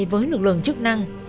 với lực lượng chức năng